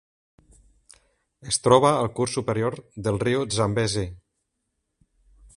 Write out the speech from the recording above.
Es troba al curs superior del riu Zambezi.